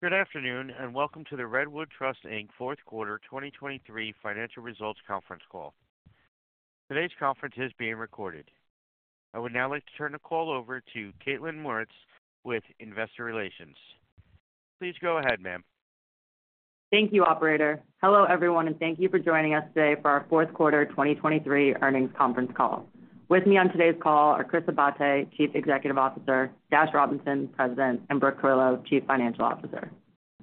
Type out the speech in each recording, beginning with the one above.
Good afternoon and welcome to the Redwood Trust, Inc. fourth quarter 2023 financial results conference call. Today's conference is being recorded. I would now like to turn the call over to Kaitlyn Mauritz with Investor Relations. Please go ahead, ma'am. Thank you, operator. Hello everyone, and thank you for joining us today for our fourth quarter 2023 earnings conference call. With me on today's call are Chris Abate, Chief Executive Officer; Dash Robinson, President; and Brooke Carillo, Chief Financial Officer.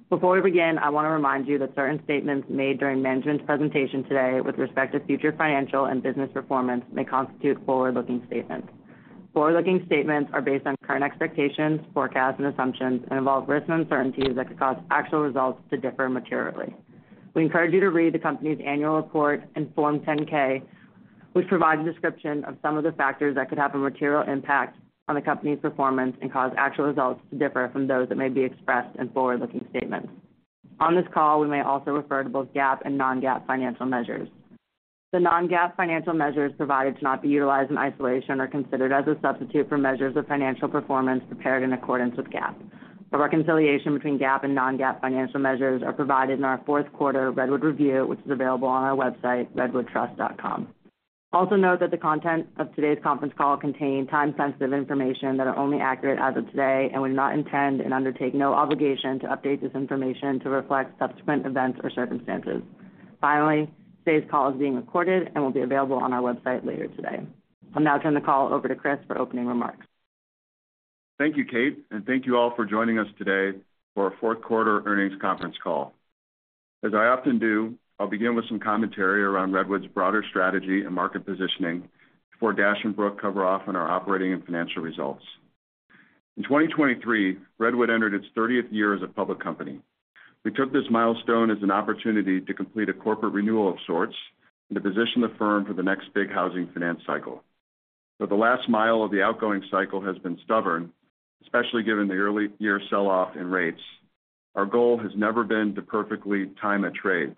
Before we begin, I want to remind you that certain statements made during management's presentation today with respect to future financial and business performance may constitute forward-looking statements. Forward-looking statements are based on current expectations, forecasts, and assumptions, and involve risks and uncertainties that could cause actual results to differ materially. We encourage you to read the company's annual report, Form 10-K, which provides a description of some of the factors that could have a material impact on the company's performance and cause actual results to differ from those that may be expressed in forward-looking statements. On this call, we may also refer to both GAAP and non-GAAP financial measures. The non-GAAP financial measures provided to not be utilized in isolation or considered as a substitute for measures of financial performance prepared in accordance with GAAP. A reconciliation between GAAP and non-GAAP financial measures is provided in our fourth quarter Redwood Review, which is available on our website, redwoodtrust.com. Also note that the content of today's conference call contains time-sensitive information that is only accurate as of today, and we do not intend and undertake no obligation to update this information to reflect subsequent events or circumstances. Finally, today's call is being recorded and will be available on our website later today. I'll now turn the call over to Chris for opening remarks. Thank you, Kate, and thank you all for joining us today for our fourth quarter earnings conference call. As I often do, I'll begin with some commentary around Redwood's broader strategy and market positioning before Dash and Brooke cover off on our operating and financial results. In 2023, Redwood entered its 30th year as a public company. We took this milestone as an opportunity to complete a corporate renewal of sorts and to position the firm for the next big housing finance cycle. Though the last mile of the outgoing cycle has been stubborn, especially given the early-year selloff and rates, our goal has never been to perfectly time a trade.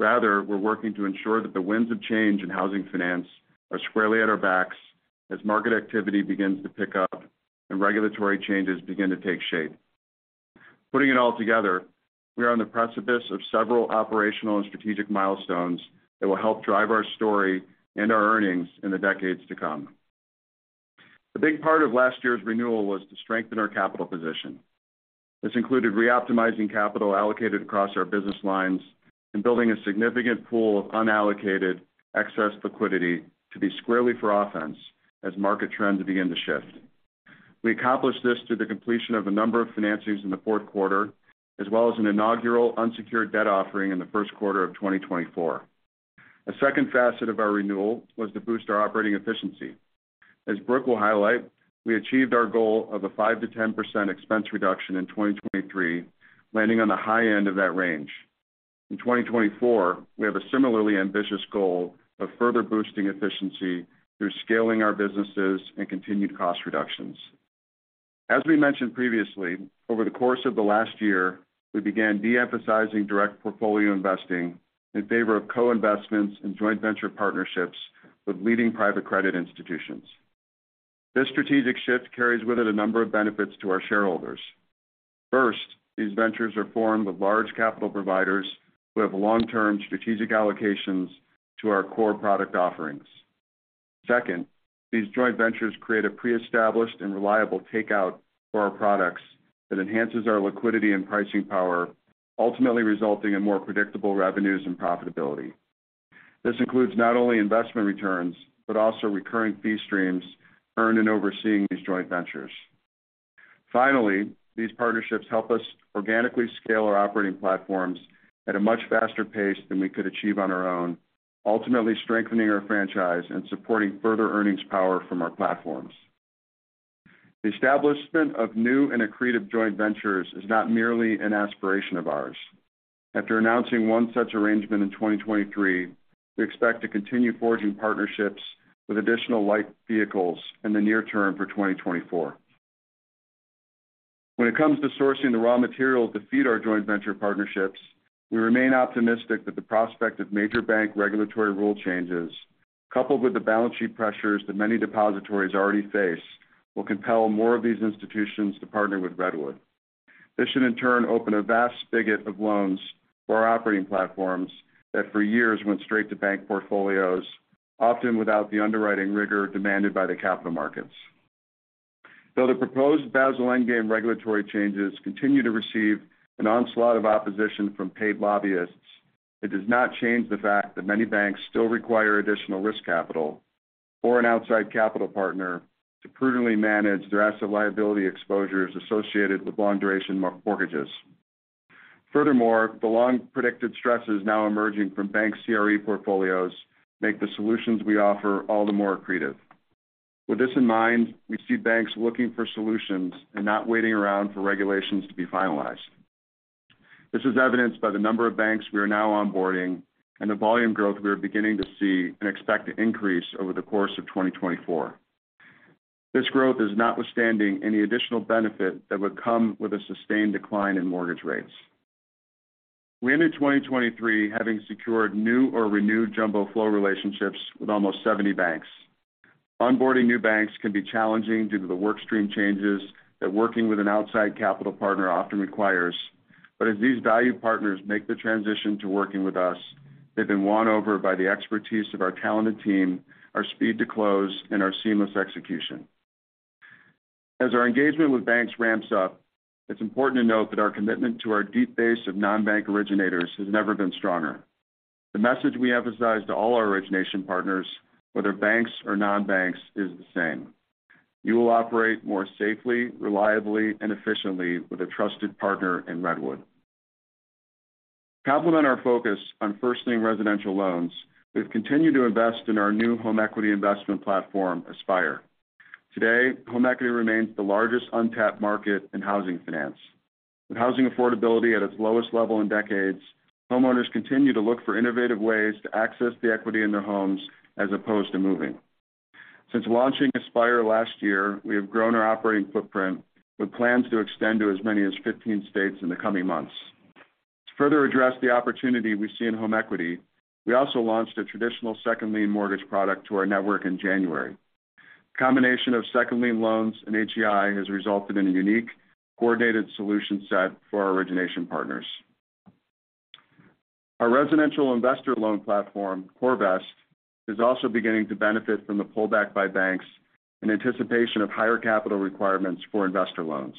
Rather, we're working to ensure that the winds of change in housing finance are squarely at our backs as market activity begins to pick up and regulatory changes begin to take shape. Putting it all together, we are on the precipice of several operational and strategic milestones that will help drive our story and our earnings in the decades to come. A big part of last year's renewal was to strengthen our capital position. This included reoptimizing capital allocated across our business lines and building a significant pool of unallocated excess liquidity to be squarely for offense as market trends begin to shift. We accomplished this through the completion of a number of financings in the fourth quarter, as well as an inaugural unsecured debt offering in the first quarter of 2024. A second facet of our renewal was to boost our operating efficiency. As Brooke will highlight, we achieved our goal of a 5%-10% expense reduction in 2023, landing on the high end of that range. In 2024, we have a similarly ambitious goal of further boosting efficiency through scaling our businesses and continued cost reductions. As we mentioned previously, over the course of the last year, we began de-emphasizing direct portfolio investing in favor of co-investments and joint venture partnerships with leading private credit institutions. This strategic shift carries with it a number of benefits to our shareholders. First, these ventures are formed with large capital providers who have long-term strategic allocations to our core product offerings. Second, these joint ventures create a pre-established and reliable takeout for our products that enhances our liquidity and pricing power, ultimately resulting in more predictable revenues and profitability. This includes not only investment returns but also recurring fee streams earned in overseeing these joint ventures. Finally, these partnerships help us organically scale our operating platforms at a much faster pace than we could achieve on our own, ultimately strengthening our franchise and supporting further earnings power from our platforms. The establishment of new and accretive joint ventures is not merely an aspiration of ours. After announcing one such arrangement in 2023, we expect to continue forging partnerships with additional like vehicles in the near term for 2024. When it comes to sourcing the raw materials to feed our joint venture partnerships, we remain optimistic that the prospect of major bank regulatory rule changes, coupled with the balance sheet pressures that many depositories already face, will compel more of these institutions to partner with Redwood. This should, in turn, open a vast spigot of loans for our operating platforms that for years went straight to bank portfolios, often without the underwriting rigor demanded by the capital markets. Though the proposed Basel Endgame regulatory changes continue to receive an onslaught of opposition from paid lobbyists, it does not change the fact that many banks still require additional risk capital or an outside capital partner to prudently manage their asset liability exposures associated with long-duration mortgages. Furthermore, the long-predicted stresses now emerging from bank CRE portfolios make the solutions we offer all the more accretive. With this in mind, we see banks looking for solutions and not waiting around for regulations to be finalized. This is evidenced by the number of banks we are now onboarding and the volume growth we are beginning to see and expect to increase over the course of 2024. This growth is notwithstanding any additional benefit that would come with a sustained decline in mortgage rates. We entered 2023 having secured new or renewed jumbo flow relationships with almost 70 banks. Onboarding new banks can be challenging due to the workstream changes that working with an outside capital partner often requires, but as these valued partners make the transition to working with us, they've been won over by the expertise of our talented team, our speed to close, and our seamless execution. As our engagement with banks ramps up, it's important to note that our commitment to our deep base of non-bank originators has never been stronger. The message we emphasize to all our origination partners, whether banks or non-banks, is the same: you will operate more safely, reliably, and efficiently with a trusted partner in Redwood. To complement our focus on first-lien residential loans, we've continued to invest in our new home equity investment platform, Aspire. Today, home equity remains the largest untapped market in housing finance. With housing affordability at its lowest level in decades, homeowners continue to look for innovative ways to access the equity in their homes as opposed to moving. Since launching Aspire last year, we have grown our operating footprint with plans to extend to as many as 15 states in the coming months. To further address the opportunity we see in home equity, we also launched a traditional second lien mortgage product to our network in January. The combination of second lien loans and HEI has resulted in a unique, coordinated solution set for our origination partners. Our residential investor loan platform, CoreVest, is also beginning to benefit from the pullback by banks in anticipation of higher capital requirements for investor loans.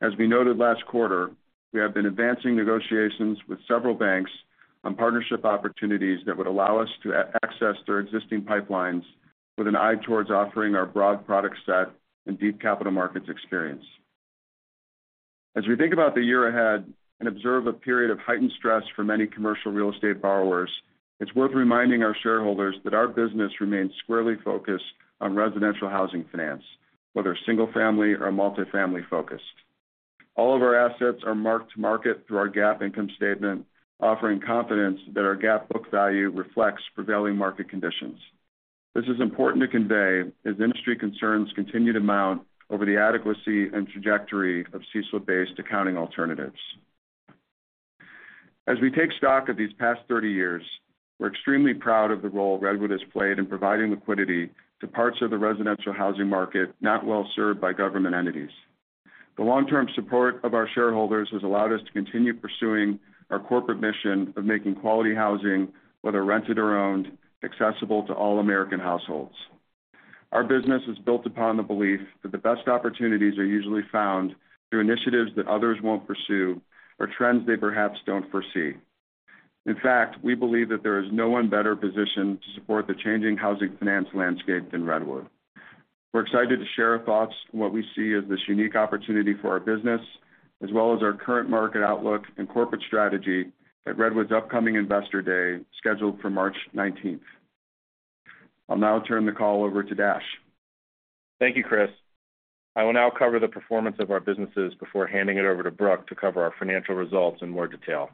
As we noted last quarter, we have been advancing negotiations with several banks on partnership opportunities that would allow us to access their existing pipelines with an eye towards offering our broad product set and deep capital markets experience. As we think about the year ahead and observe a period of heightened stress for many commercial real estate borrowers, it's worth reminding our shareholders that our business remains squarely focused on residential housing finance, whether single-family or multifamily focused. All of our assets are marked to market through our GAAP income statement, offering confidence that our GAAP book value reflects prevailing market conditions. This is important to convey as industry concerns continue to mount over the adequacy and trajectory of CECL-based accounting alternatives. As we take stock of these past 30 years, we're extremely proud of the role Redwood has played in providing liquidity to parts of the residential housing market not well served by government entities. The long-term support of our shareholders has allowed us to continue pursuing our corporate mission of making quality housing, whether rented or owned, accessible to all American households. Our business is built upon the belief that the best opportunities are usually found through initiatives that others won't pursue or trends they perhaps don't foresee. In fact, we believe that there is no one better positioned to support the changing housing finance landscape than Redwood. We're excited to share our thoughts on what we see as this unique opportunity for our business, as well as our current market outlook and corporate strategy at Redwood's upcoming Investor Day scheduled for March 19th. I'll now turn the call over to Dash. Thank you, Chris. I will now cover the performance of our businesses before handing it over to Brooke to cover our financial results in more detail.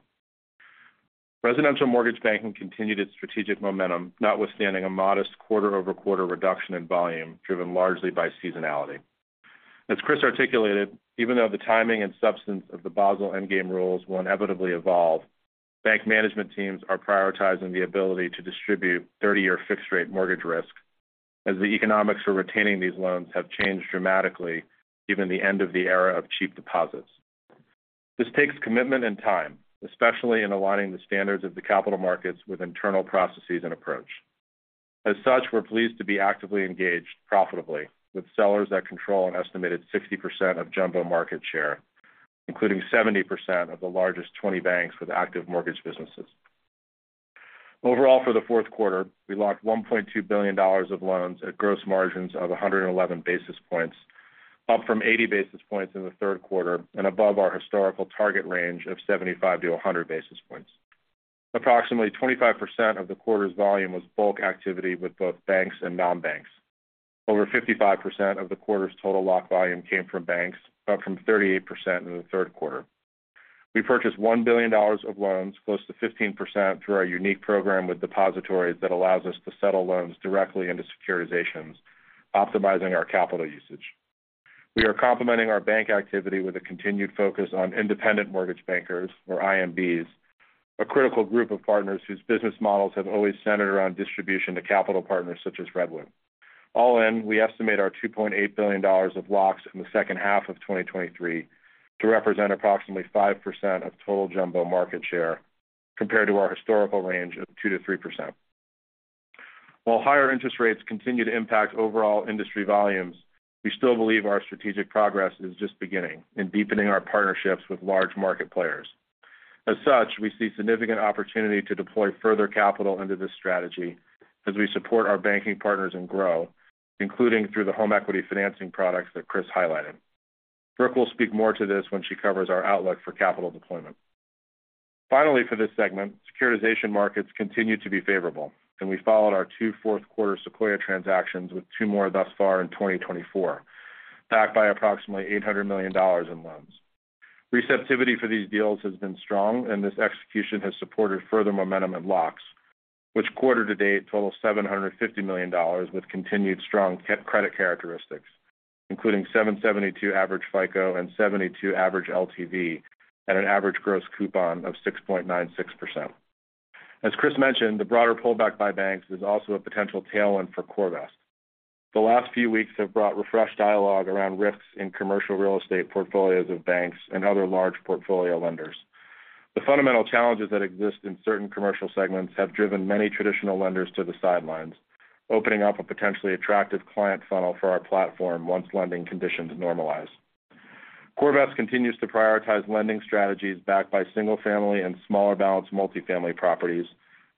Residential mortgage banking continued its strategic momentum, notwithstanding a modest quarter-over-quarter reduction in volume driven largely by seasonality. As Chris articulated, even though the timing and substance of the Basel Endgame rules will inevitably evolve, bank management teams are prioritizing the ability to distribute 30-year fixed-rate mortgage risk as the economics for retaining these loans have changed dramatically given the end of the era of cheap deposits. This takes commitment and time, especially in aligning the standards of the capital markets with internal processes and approach. As such, we're pleased to be actively engaged profitably with sellers that control an estimated 60% of jumbo market share, including 70% of the largest 20 banks with active mortgage businesses. Overall, for the fourth quarter, we locked $1.2 billion of loans at gross margins of 111 basis points, up from 80 basis points in the third quarter and above our historical target range of 75-100 basis points. Approximately 25% of the quarter's volume was bulk activity with both banks and non-banks. Over 55% of the quarter's total lock volume came from banks, up from 38% in the third quarter. We purchased $1 billion of loans, close to 15%, through our unique program with depositories that allows us to settle loans directly into securitizations, optimizing our capital usage. We are complementing our bank activity with a continued focus on independent mortgage bankers, or IMBs, a critical group of partners whose business models have always centered around distribution to capital partners such as Redwood. All in, we estimate our $2.8 billion of locks in the second half of 2023 to represent approximately 5% of total jumbo market share compared to our historical range of 2%-3%. While higher interest rates continue to impact overall industry volumes, we still believe our strategic progress is just beginning in deepening our partnerships with large market players. As such, we see significant opportunity to deploy further capital into this strategy as we support our banking partners and grow, including through the home equity financing products that Chris highlighted. Brooke will speak more to this when she covers our outlook for capital deployment. Finally, for this segment, securitization markets continue to be favorable, and we followed our two fourth-quarter Sequoia transactions with two more thus far in 2024, backed by approximately $800 million in loans. Receptivity for these deals has been strong, and this execution has supported further momentum in locks, which quarter to date total $750 million with continued strong credit characteristics, including 772 average FICO and 72 average LTV and an average gross coupon of 6.96%. As Chris mentioned, the broader pullback by banks is also a potential tailwind for CoreVest. The last few weeks have brought refreshed dialogue around risks in commercial real estate portfolios of banks and other large portfolio lenders. The fundamental challenges that exist in certain commercial segments have driven many traditional lenders to the sidelines, opening up a potentially attractive client funnel for our platform once lending conditions normalize. CoreVest continues to prioritize lending strategies backed by single-family and smaller-balanced multifamily properties,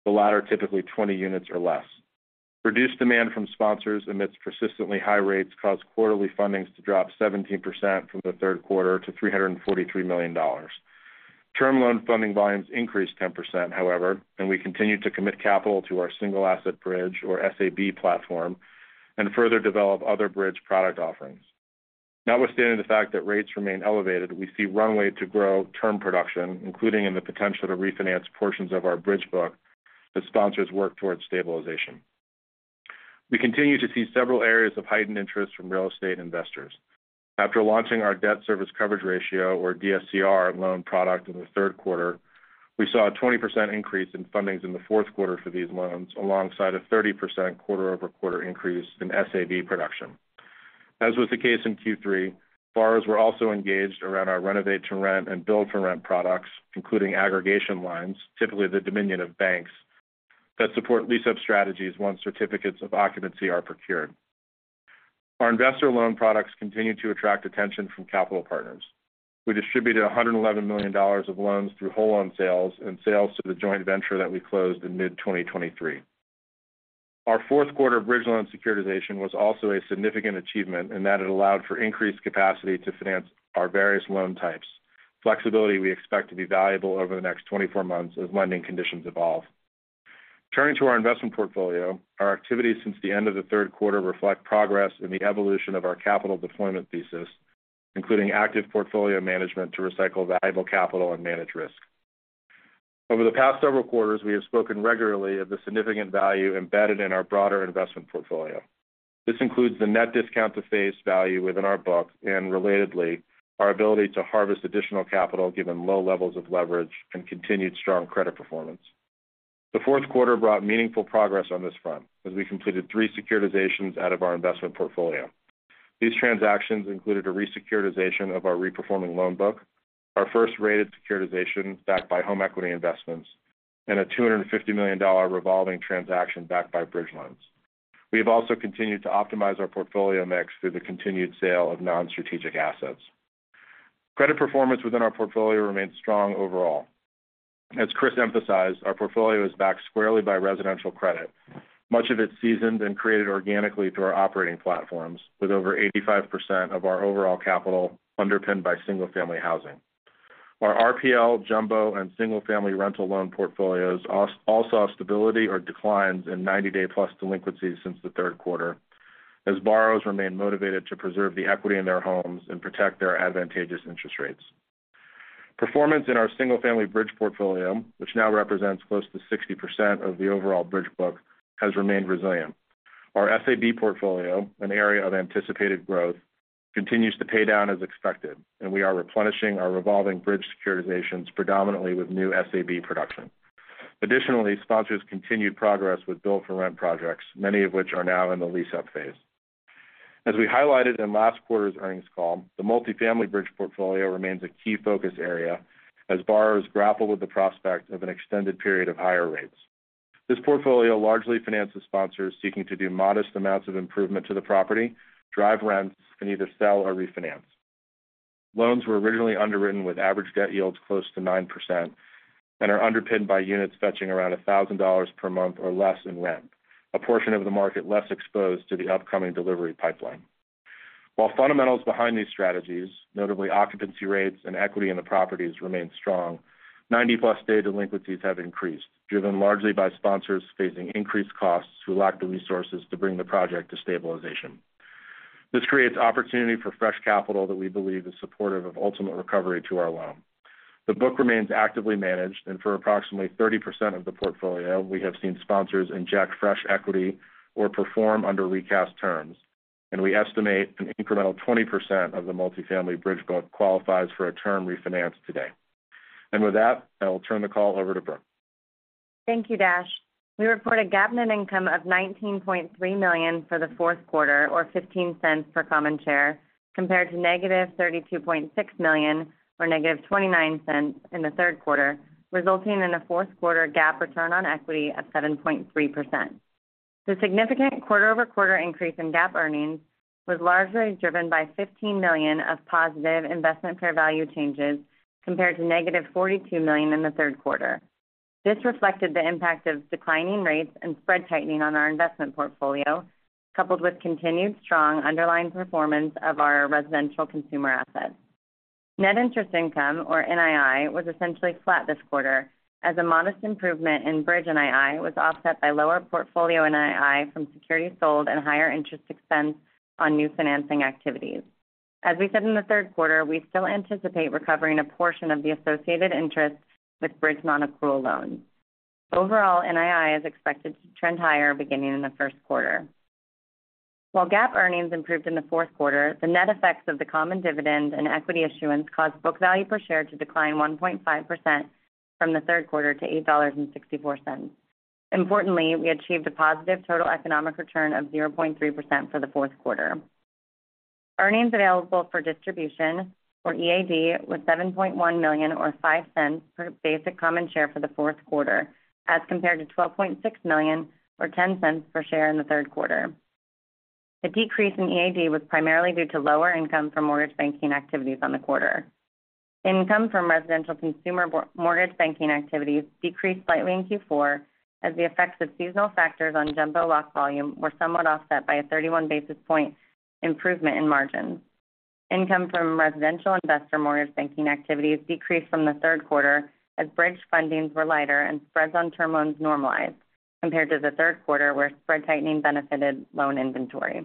the latter typically 20 units or less. Reduced demand from sponsors amidst persistently high rates caused quarterly fundings to drop 17% from the third quarter to $343 million. Term loan funding volumes increased 10%, however, and we continue to commit capital to our Single Asset Bridge, or SAB, platform and further develop other bridge product offerings. Notwithstanding the fact that rates remain elevated, we see runway to grow term production, including in the potential to refinance portions of our bridge book as sponsors work towards stabilization. We continue to see several areas of heightened interest from real estate investors. After launching our Debt Service Coverage Ratio, or DSCR, loan product in the third quarter, we saw a 20% increase in fundings in the fourth quarter for these loans, alongside a 30% quarter-over-quarter increase in SAB production. As was the case in Q3, borrowers were also engaged around our Renovate to Rent and Build for Rent products, including aggregation lines, typically the dominion of banks, that support lease-up strategies once certificates of occupancy are procured. Our investor loan products continue to attract attention from capital partners. We distributed $111 million of loans through whole-loan sales and sales to the joint venture that we closed in mid-2023. Our fourth-quarter bridge loan securitization was also a significant achievement in that it allowed for increased capacity to finance our various loan types, flexibility we expect to be valuable over the next 24 months as lending conditions evolve. Turning to our investment portfolio, our activities since the end of the third quarter reflect progress in the evolution of our capital deployment thesis, including active portfolio management to recycle valuable capital and manage risk. Over the past several quarters, we have spoken regularly of the significant value embedded in our broader investment portfolio. This includes the net discount-to-face value within our book and, relatedly, our ability to harvest additional capital given low levels of leverage and continued strong credit performance. The fourth quarter brought meaningful progress on this front as we completed three securitizations out of our investment portfolio. These transactions included a resecuritization of our reperforming loan book, our first rated securitization backed by home equity investments, and a $250 million revolving transaction backed by bridge loans. We have also continued to optimize our portfolio mix through the continued sale of non-strategic assets. Credit performance within our portfolio remains strong overall. As Chris emphasized, our portfolio is backed squarely by residential credit, much of it seasoned and created organically through our operating platforms, with over 85% of our overall capital underpinned by single-family housing. Our RPL, jumbo, and single-family rental loan portfolios all saw stability or declines in 90+ day delinquencies since the third quarter as borrowers remain motivated to preserve the equity in their homes and protect their advantageous interest rates. Performance in our single-family bridge portfolio, which now represents close to 60% of the overall bridge book, has remained resilient. Our SAB portfolio, an area of anticipated growth, continues to pay down as expected, and we are replenishing our revolving bridge securitizations predominantly with new SAB production. Additionally, sponsors continued progress with Build for Rent projects, many of which are now in the lease-up phase. As we highlighted in last quarter's earnings call, the multifamily bridge portfolio remains a key focus area as borrowers grapple with the prospect of an extended period of higher rates. This portfolio largely finances sponsors seeking to do modest amounts of improvement to the property, drive rents, and either sell or refinance. Loans were originally underwritten with average debt yields close to 9% and are underpinned by units fetching around $1,000 per month or less in rent, a portion of the market less exposed to the upcoming delivery pipeline. While fundamentals behind these strategies, notably occupancy rates and equity in the properties, remain strong, 90+ day delinquencies have increased, driven largely by sponsors facing increased costs who lack the resources to bring the project to stabilization. This creates opportunity for fresh capital that we believe is supportive of ultimate recovery to our loan. The book remains actively managed, and for approximately 30% of the portfolio, we have seen sponsors inject fresh equity or perform under recast terms, and we estimate an incremental 20% of the multifamily bridge book qualifies for a term refinance today. With that, I will turn the call over to Brooke. Thank you, Dash. We report a GAAP net income of $19.3 million for the fourth quarter, or $0.15 per common share, compared to -$32.6 million or -$0.29 in the third quarter, resulting in a fourth-quarter GAAP return on equity of 7.3%. The significant quarter-over-quarter increase in GAAP earnings was largely driven by $15 million of positive investment fair value changes compared to -$42 million in the third quarter. This reflected the impact of declining rates and spread tightening on our investment portfolio, coupled with continued strong underlying performance of our residential consumer assets. Net interest income, or NII, was essentially flat this quarter as a modest improvement in bridge NII was offset by lower portfolio NII from securities sold and higher interest expense on new financing activities. As we said in the third quarter, we still anticipate recovering a portion of the associated interest with bridge non-accrual loans. Overall, NII is expected to trend higher beginning in the first quarter. While GAAP earnings improved in the fourth quarter, the net effects of the common dividend and equity issuance caused book value per share to decline 1.5% from the third quarter to $8.64. Importantly, we achieved a positive total economic return of 0.3% for the fourth quarter. Earnings available for distribution, or EAD, was $7.1 million or $0.05 per basic common share for the fourth quarter as compared to $12.6 million or $0.10 per share in the third quarter. The decrease in EAD was primarily due to lower income from mortgage banking activities on the quarter. Income from residential consumer mortgage banking activities decreased slightly in Q4 as the effects of seasonal factors on jumbo lock volume were somewhat offset by a 31 basis point improvement in margins. Income from residential investor mortgage banking activities decreased from the third quarter as bridge fundings were lighter and spreads on term loans normalized compared to the third quarter where spread tightening benefited loan inventory.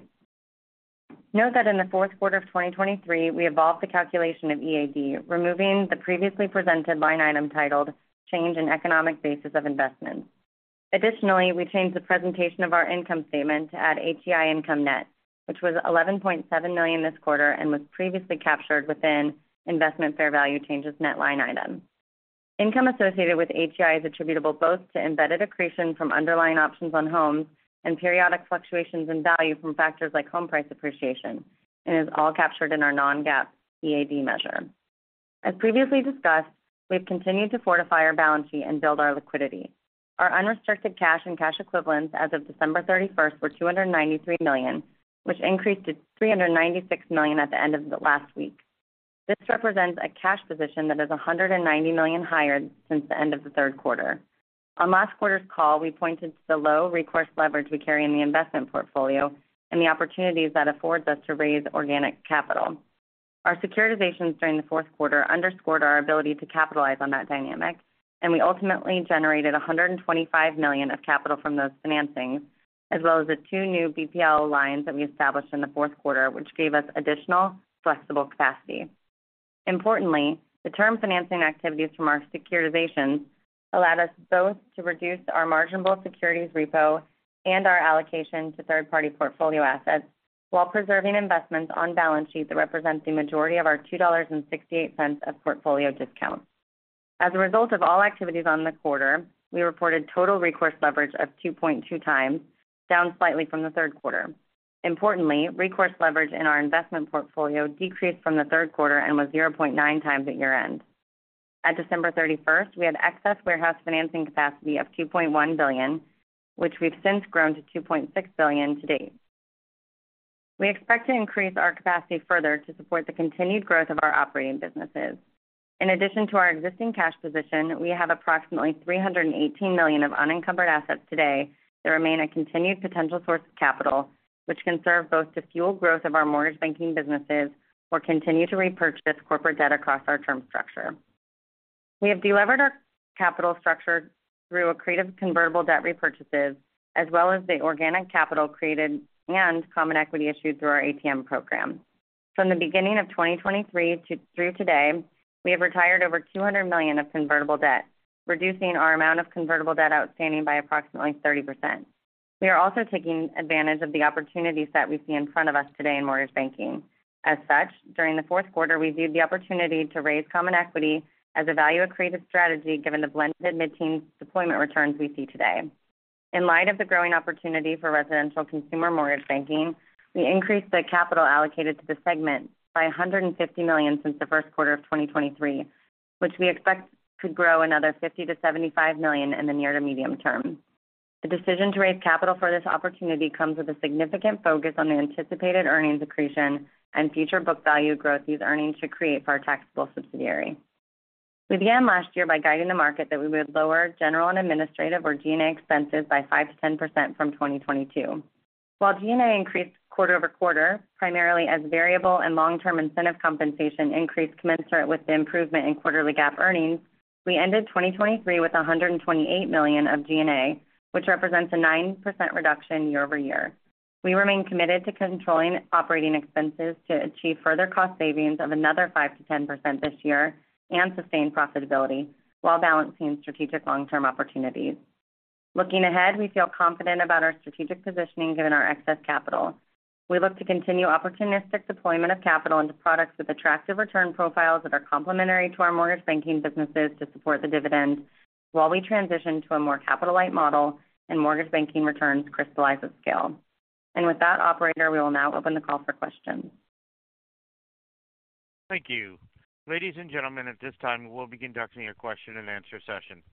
Note that in the fourth quarter of 2023, we evolved the calculation of EAD, removing the previously presented line item titled 'Change in Economic Basis of Investments.' Additionally, we changed the presentation of our income statement to add HEI income net, which was $11.7 million this quarter and was previously captured within investment fair value changes, net line item. Income associated with HEI is attributable both to embedded accretion from underlying options on homes and periodic fluctuations in value from factors like home price appreciation, and is all captured in our non-GAAP EAD measure. As previously discussed, we've continued to fortify our balance sheet and build our liquidity. Our unrestricted cash and cash equivalents as of December 31st were $293 million, which increased to $396 million at the end of last week. This represents a cash position that is $190 million higher since the end of the third quarter. On last quarter's call, we pointed to the low recourse leverage we carry in the investment portfolio and the opportunities that affords us to raise organic capital. Our securitizations during the fourth quarter underscored our ability to capitalize on that dynamic, and we ultimately generated $125 million of capital from those financings, as well as the two new BPL lines that we established in the fourth quarter, which gave us additional flexible capacity. Importantly, the term financing activities from our securitizations allowed us both to reduce our marginable securities repo and our allocation to third-party portfolio assets while preserving investments on balance sheets that represent the majority of our $2.68 of portfolio discount. As a result of all activities on the quarter, we reported total recourse leverage of 2.2x, down slightly from the third quarter. Importantly, recourse leverage in our investment portfolio decreased from the third quarter and was 0.9x at year-end. At December 31st, we had excess warehouse financing capacity of $2.1 billion, which we've since grown to $2.6 billion to date. We expect to increase our capacity further to support the continued growth of our operating businesses. In addition to our existing cash position, we have approximately $318 million of unencumbered assets today that remain a continued potential source of capital, which can serve both to fuel growth of our mortgage banking businesses or continue to repurchase corporate debt across our term structure. We have delevered our capital structure through accretive convertible debt repurchases, as well as the organic capital created and common equity issued through our ATM program. From the beginning of 2023 through today, we have retired over $200 million of convertible debt, reducing our amount of convertible debt outstanding by approximately 30%. We are also taking advantage of the opportunities that we see in front of us today in mortgage banking. As such, during the fourth quarter, we viewed the opportunity to raise common equity as a value accretive strategy given the blended mid-teens deployment returns we see today. In light of the growing opportunity for residential consumer mortgage banking, we increased the capital allocated to the segment by $150 million since the first quarter of 2023, which we expect could grow another $50 million-$75 million in the near to medium term. The decision to raise capital for this opportunity comes with a significant focus on the anticipated earnings accretion and future book value growth these earnings should create for our taxable subsidiary. We began last year by guiding the market that we would lower general and administrative, or G&A, expenses by 5%-10% from 2022. While G&A increased quarter-over-quarter, primarily as variable and long-term incentive compensation increase commensurate with the improvement in quarterly GAAP earnings, we ended 2023 with $128 million of G&A, which represents a 9% reduction year-over-year. We remain committed to controlling operating expenses to achieve further cost savings of another 5%-10% this year and sustained profitability while balancing strategic long-term opportunities. Looking ahead, we feel confident about our strategic positioning given our excess capital. We look to continue opportunistic deployment of capital into products with attractive return profiles that are complementary to our mortgage banking businesses to support the dividend while we transition to a more capital-light model and mortgage banking returns crystallize at scale. With that, operator, we will now open the call for questions. Thank you. Ladies and gentlemen, at this time, we will begin conducting the question and answer session.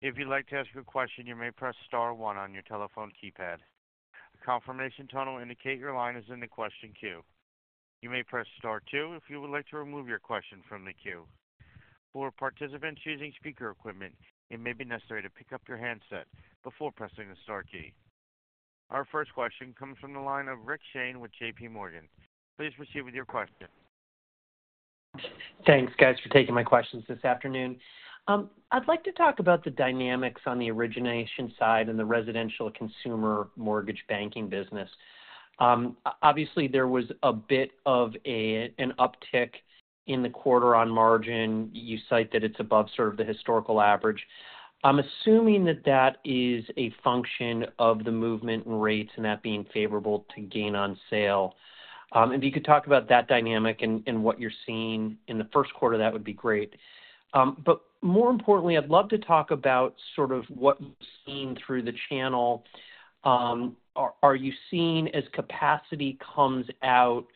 If you'd like to ask a question, you may press star one on your telephone keypad. Confirmation tone will indicate your line is in the question queue. You may press star two if you would like to remove your question from the queue. For participants choosing speaker equipment, it may be necessary to pick up your handset before pressing the star key. Our first question comes from the line of Rick Shane with JPMorgan. Please proceed with your question. Thanks, guys, for taking my questions this afternoon. I'd like to talk about the dynamics on the origination side in the residential consumer mortgage banking business. Obviously, there was a bit of an uptick in the quarter on margin. You cite that it's above sort of the historical average. I'm assuming that that is a function of the movement in rates and that being favorable to gain on sale. If you could talk about that dynamic and what you're seeing in the first quarter, that would be great. But more importantly, I'd love to talk about sort of what we've seen through the channel. Are you seeing, as capacity comes out,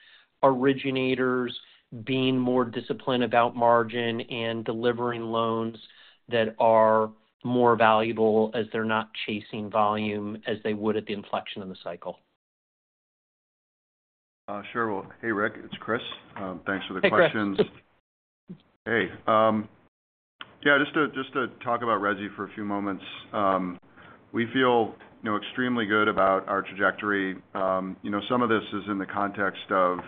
originators being more disciplined about margin and delivering loans that are more valuable as they're not chasing volume as they would at the inflection of the cycle? Sure. Well, hey, Rick. It's Chris. Thanks for the questions. Hey, Chris. Hey. Yeah, just to talk about resi for a few moments. We feel extremely good about our trajectory. Some of this is in the context of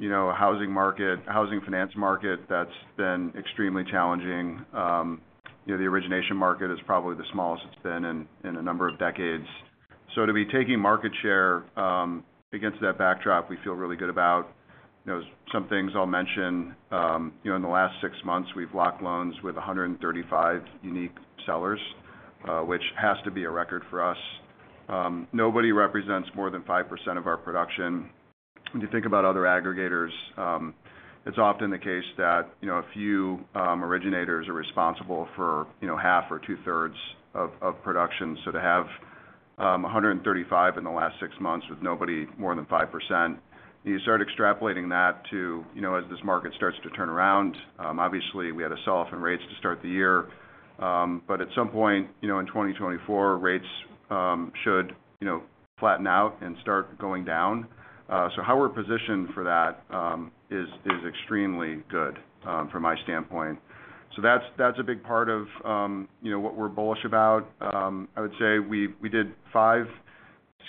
a housing finance market that's been extremely challenging. The origination market is probably the smallest it's been in a number of decades. So to be taking market share against that backdrop, we feel really good about some things I'll mention. In the last six months, we've locked loans with 135 unique sellers, which has to be a record for us. Nobody represents more than 5% of our production. When you think about other aggregators, it's often the case that a few originators are responsible for half or 2/3 of production. So to have 135 in the last six months with nobody more than 5%, you start extrapolating that to as this market starts to turn around. Obviously, we had to sell off in rates to start the year. But at some point in 2024, rates should flatten out and start going down. So how we're positioned for that is extremely good from my standpoint. So that's a big part of what we're bullish about. I would say we did five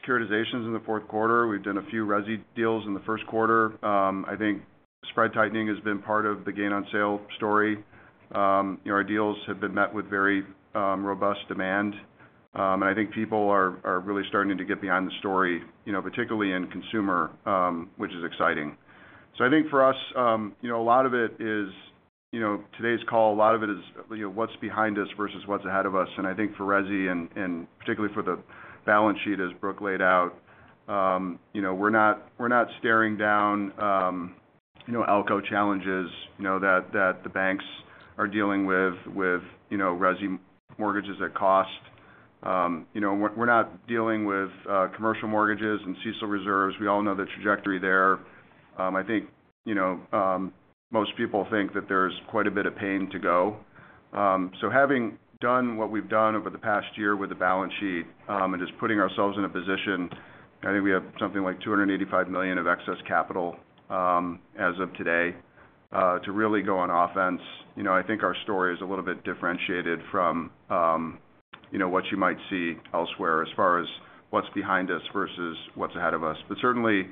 securitizations in the fourth quarter. We've done a few resi deals in the first quarter. I think spread tightening has been part of the gain-on-sale story. Our deals have been met with very robust demand. And I think people are really starting to get behind the story, particularly in consumer, which is exciting. So I think for us, a lot of it is today's call. A lot of it is what's behind us versus what's ahead of us. And I think for resi, and particularly for the balance sheet as Brooke laid out, we're not staring down ALCO challenges that the banks are dealing with with resi mortgages at cost. We're not dealing with commercial mortgages and CECL reserves. We all know the trajectory there. I think most people think that there's quite a bit of pain to go. So having done what we've done over the past year with the balance sheet and just putting ourselves in a position I think we have something like $285 million of excess capital as of today to really go on offense, I think our story is a little bit differentiated from what you might see elsewhere as far as what's behind us versus what's ahead of us. But certainly,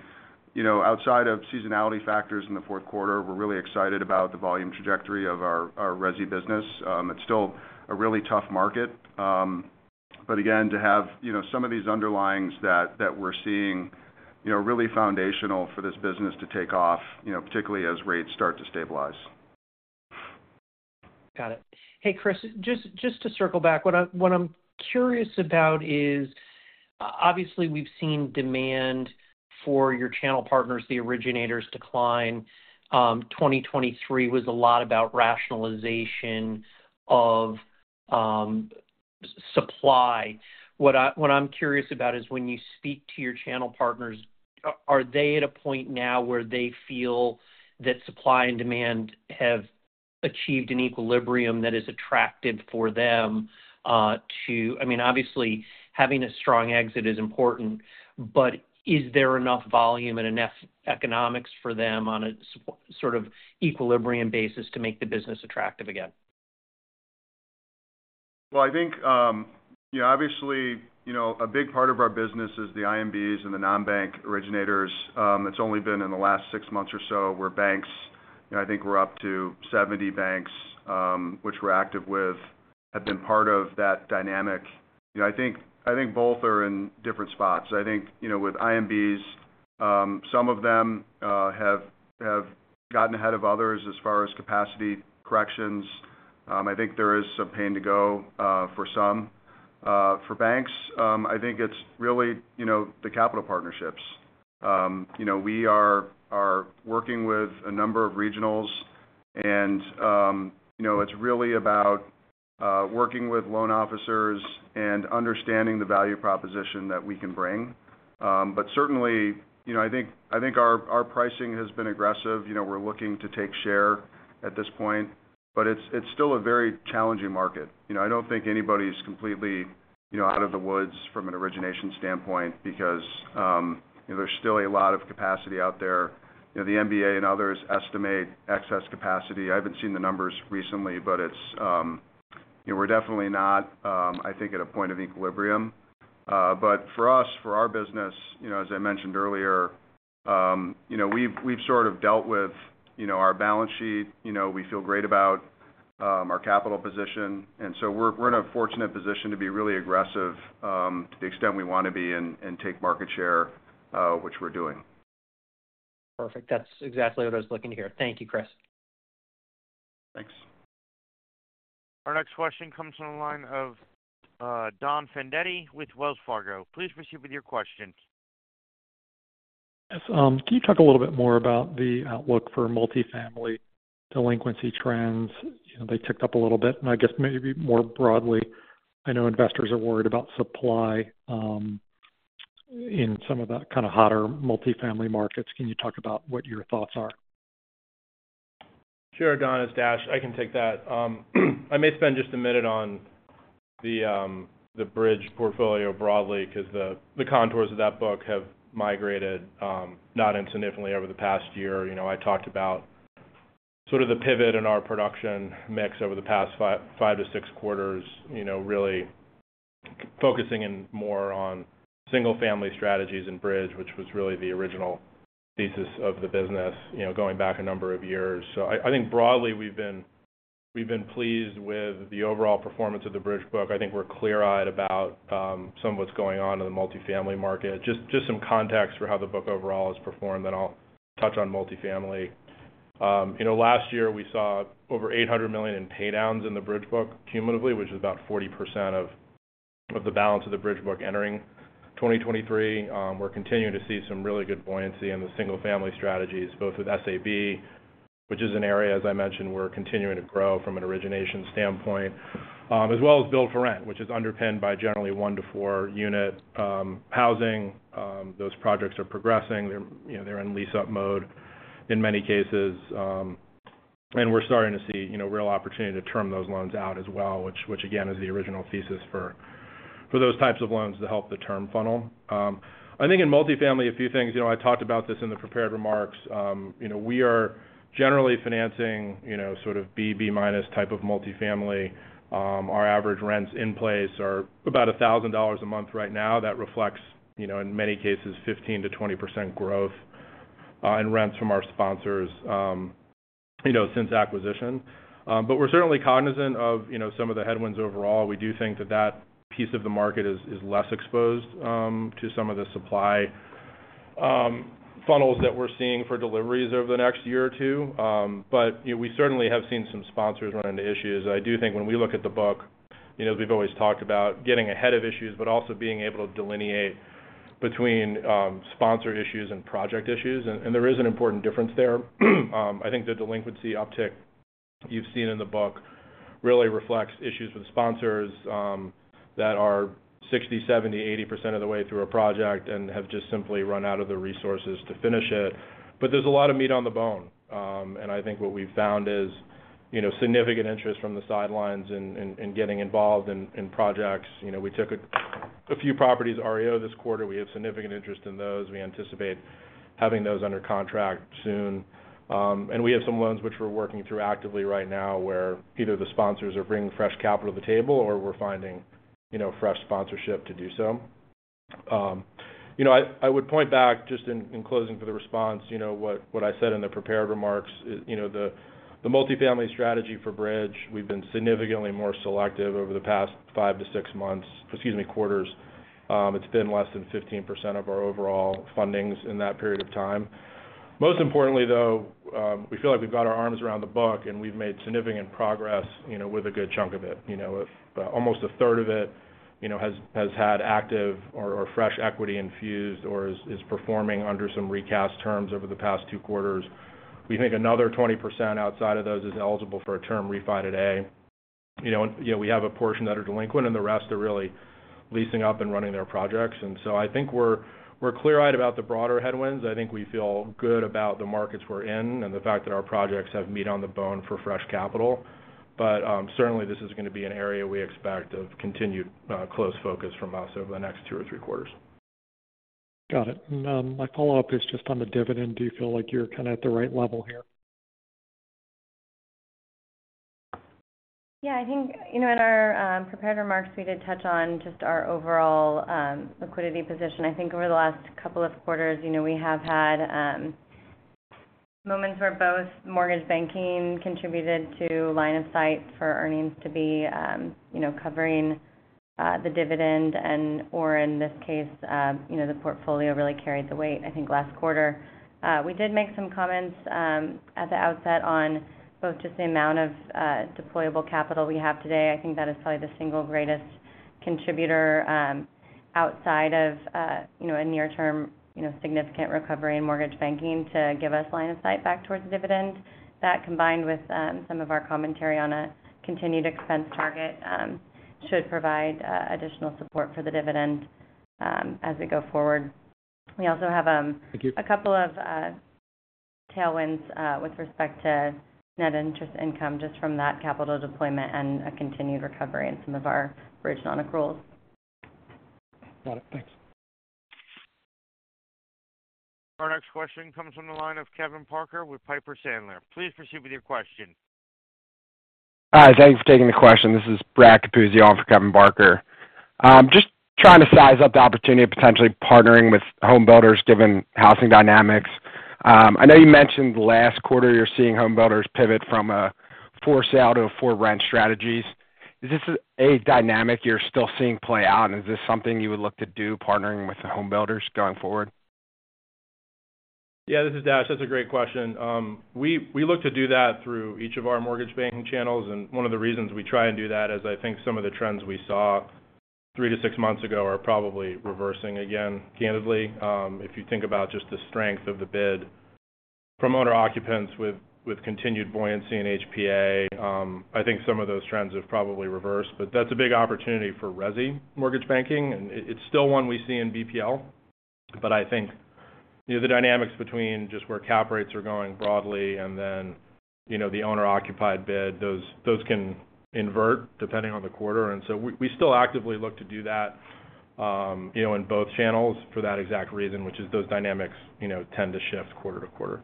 outside of seasonality factors in the fourth quarter, we're really excited about the volume trajectory of our resi business. It's still a really tough market. But again, to have some of these underlyings that we're seeing really foundational for this business to take off, particularly as rates start to stabilize. Got it. Hey, Chris, just to circle back, what I'm curious about is, obviously, we've seen demand for your channel partners, the originators, decline. 2023 was a lot about rationalization of supply. What I'm curious about is, when you speak to your channel partners, are they at a point now where they feel that supply and demand have achieved an equilibrium that is attractive for them to—I mean, obviously, having a strong exit is important. But is there enough volume and enough economics for them on a sort of equilibrium basis to make the business attractive again? Well, I think, obviously, a big part of our business is the IMBs and the non-bank originators. It's only been in the last six months or so where banks I think we're up to 70 banks, which we're active with, have been part of that dynamic. I think both are in different spots. I think with IMBs, some of them have gotten ahead of others as far as capacity corrections. I think there is some pain to go for some. For banks, I think it's really the capital partnerships. We are working with a number of regionals. And it's really about working with loan officers and understanding the value proposition that we can bring. But certainly, I think our pricing has been aggressive. We're looking to take share at this point. But it's still a very challenging market. I don't think anybody's completely out of the woods from an origination standpoint because there's still a lot of capacity out there. The MBA and others estimate excess capacity. I haven't seen the numbers recently, but we're definitely not, I think, at a point of equilibrium. But for us, for our business, as I mentioned earlier, we've sort of dealt with our balance sheet. We feel great about our capital position. And so we're in a fortunate position to be really aggressive to the extent we want to be and take market share, which we're doing. Perfect. That's exactly what I was looking to hear. Thank you, Chris. Thanks. Our next question comes from the line of Don Fandetti with Wells Fargo. Please proceed with your question. Yes. Can you talk a little bit more about the outlook for multifamily delinquency trends? They ticked up a little bit. I guess maybe more broadly, I know investors are worried about supply in some of that kind of hotter multifamily markets. Can you talk about what your thoughts are? Sure, Don, its Dash. I can take that. I may spend just a minute on the bridge portfolio broadly because the contours of that book have migrated, not insignificantly, over the past year. I talked about sort of the pivot in our production mix over the past 5-6 quarters, really focusing more on single-family strategies in bridge, which was really the original thesis of the business going back a number of years. So I think broadly, we've been pleased with the overall performance of the bridge book. I think we're clear-eyed about some of what's going on in the multifamily market. Just some context for how the book overall has performed, then I'll touch on multifamily. Last year, we saw over $800 million in paydowns in the bridge book cumulatively, which is about 40% of the balance of the bridge book entering 2023. We're continuing to see some really good buoyancy in the single-family strategies, both with SAB, which is an area, as I mentioned, we're continuing to grow from an origination standpoint, as well as build-for-rent, which is underpinned by generally 1-4-unit housing. Those projects are progressing. They're in lease-up mode in many cases. And we're starting to see real opportunity to term those loans out as well, which, again, is the original thesis for those types of loans to help the term funnel. I think in multifamily, a few things. I talked about this in the prepared remarks. We are generally financing sort of B, B- type of multifamily. Our average rents in place are about $1,000 a month right now. That reflects, in many cases, 15%-20% growth in rents from our sponsors since acquisition. But we're certainly cognizant of some of the headwinds overall. We do think that that piece of the market is less exposed to some of the supply funnels that we're seeing for deliveries over the next year or two. But we certainly have seen some sponsors run into issues. I do think when we look at the book, as we've always talked about, getting ahead of issues, but also being able to delineate between sponsor issues and project issues. And there is an important difference there. I think the delinquency uptick you've seen in the book really reflects issues with sponsors that are 60%, 70%, 80% of the way through a project and have just simply run out of the resources to finish it. But there's a lot of meat on the bone. And I think what we've found is significant interest from the sidelines in getting involved in projects. We took a few properties REO this quarter. We have significant interest in those. We anticipate having those under contract soon. We have some loans which we're working through actively right now where either the sponsors are bringing fresh capital to the table or we're finding fresh sponsorship to do so. I would point back, just in closing for the response, what I said in the prepared remarks. The multifamily strategy for Bridge, we've been significantly more selective over the past 5-6 months excuse me, quarters. It's been less than 15% of our overall fundings in that period of time. Most importantly, though, we feel like we've got our arms around the book, and we've made significant progress with a good chunk of it. Almost a 1/3 of it has had active or fresh equity infused or is performing under some recast terms over the past two quarters. We think another 20% outside of those is eligible for a term refi today. We have a portion that are delinquent, and the rest are really leasing up and running their projects. And so I think we're clear-eyed about the broader headwinds. I think we feel good about the markets we're in and the fact that our projects have meat on the bone for fresh capital. But certainly, this is going to be an area we expect of continued close focus from us over the next two or three quarters. Got it. My follow-up is just on the dividend. Do you feel like you're kind of at the right level here? Yeah. I think in our prepared remarks, we did touch on just our overall liquidity position. I think over the last couple of quarters, we have had moments where both mortgage banking contributed to line of sight for earnings to be covering the dividend, and/or, in this case, the portfolio really carried the weight, I think, last quarter. We did make some comments at the outset on both just the amount of deployable capital we have today. I think that is probably the single greatest contributor outside of a near-term significant recovery in mortgage banking to give us line of sight back towards the dividend. That, combined with some of our commentary on a continued expense target, should provide additional support for the dividend as we go forward. We also have a couple of tailwinds with respect to net interest income just from that capital deployment and a continued recovery in some of our original accruals. Got it. Thanks. Our next question comes from the line of Kevin Barker with Piper Sandler. Please proceed with your question. Hi. Thank you for taking the question. This is Brad Capuzzi on for Kevin Barker. Just trying to size up the opportunity of potentially partnering with home builders given housing dynamics. I know you mentioned last quarter you're seeing home builders pivot from a for-sale to a for-rent strategies. Is this a dynamic you're still seeing play out, and is this something you would look to do partnering with the home builders going forward? Yeah. This is Dash. That's a great question. We look to do that through each of our mortgage banking channels. One of the reasons we try and do that is I think some of the trends we saw 3-6 months ago are probably reversing again, candidly. If you think about just the strength of the bid from owner-occupants with continued buoyancy in HPA, I think some of those trends have probably reversed. But that's a big opportunity for resi mortgage banking. And it's still one we see in BPL. But I think the dynamics between just where cap rates are going broadly and then the owner-occupied bid, those can invert depending on the quarter. And so we still actively look to do that in both channels for that exact reason, which is those dynamics tend to shift quarter to quarter.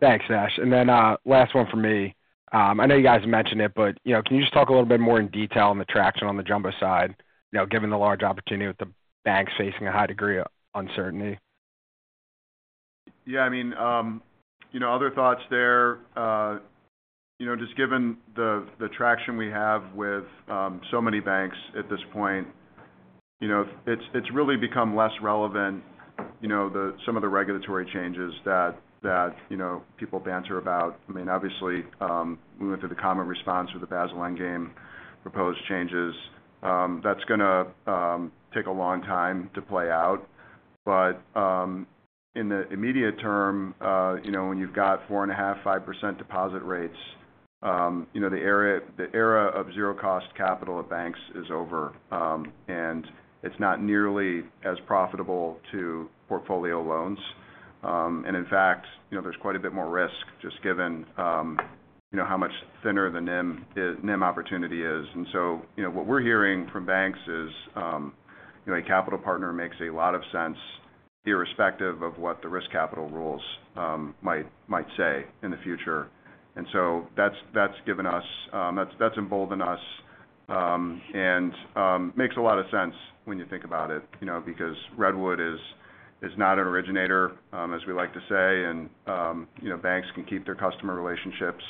Thanks, Dash. And then last one from me. I know you guys mentioned it, but can you just talk a little bit more in detail on the traction on the jumbo side, given the large opportunity with the banks facing a high degree of uncertainty? Yeah. I mean, other thoughts there, just given the traction we have with so many banks at this point, it's really become less relevant, some of the regulatory changes that people banter about. I mean, obviously, we went through the comment response with the Basel Endgame proposed changes. That's going to take a long time to play out. But in the immediate term, when you've got 4.5%-5% deposit rates, the era of zero-cost capital at banks is over. And it's not nearly as profitable to portfolio loans. And in fact, there's quite a bit more risk just given how much thinner the NIM opportunity is. And so what we're hearing from banks is a capital partner makes a lot of sense irrespective of what the risk capital rules might say in the future. And so that's emboldened us and makes a lot of sense when you think about it because Redwood is not an originator, as we like to say. And banks can keep their customer relationships.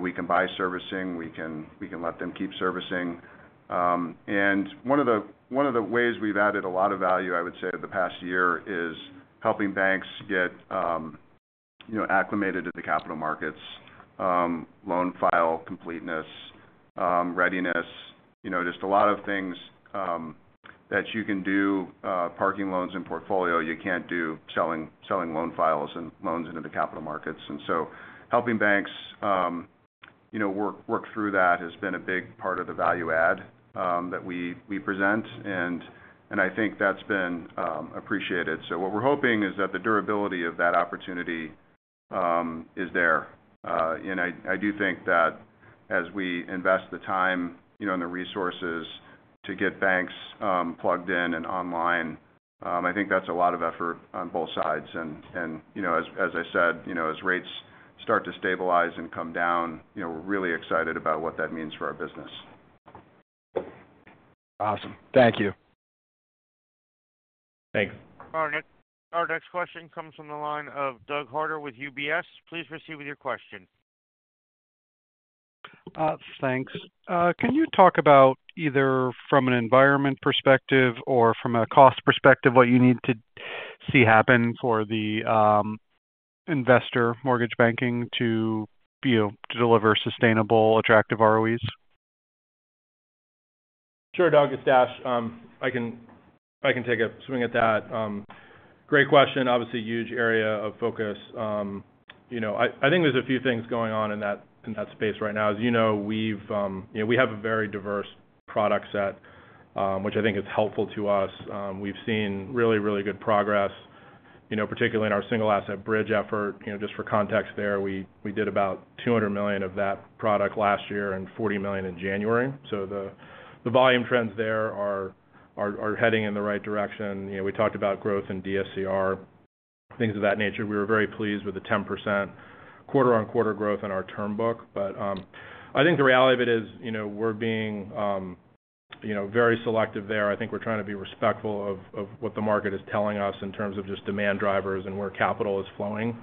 We can buy servicing. We can let them keep servicing. And one of the ways we've added a lot of value, I would say, of the past year is helping banks get acclimated to the capital markets, loan file completeness, readiness, just a lot of things that you can do parking loans in portfolio. You can't do selling loan files and loans into the capital markets. And so helping banks work through that has been a big part of the value add that we present. And I think that's been appreciated. So what we're hoping is that the durability of that opportunity is there. I do think that as we invest the time and the resources to get banks plugged in and online, I think that's a lot of effort on both sides. As I said, as rates start to stabilize and come down, we're really excited about what that means for our business. Awesome. Thank you. Thanks. Our next question comes from the line of Doug Harter with UBS. Please proceed with your question. Thanks. Can you talk about either from an environment perspective or from a cost perspective what you need to see happen for the investor mortgage banking to deliver sustainable, attractive ROEs? Sure, Doug. It's Dash. I can take a swing at that. Great question. Obviously, huge area of focus. I think there's a few things going on in that space right now. As you know, we have a very diverse product set, which I think is helpful to us. We've seen really, really good progress, particularly in our single-asset bridge effort. Just for context there, we did about $200 million of that product last year and $40 million in January. So the volume trends there are heading in the right direction. We talked about growth in DSCR, things of that nature. We were very pleased with the 10% quarter-on-quarter growth in our term book. But I think the reality of it is we're being very selective there. I think we're trying to be respectful of what the market is telling us in terms of just demand drivers and where capital is flowing.